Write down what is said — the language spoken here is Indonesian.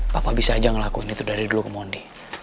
bapak bisa aja ngelakuin itu dari dulu ke mondi